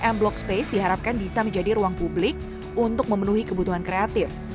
m block space diharapkan bisa menjadi ruang publik untuk memenuhi kebutuhan kreatif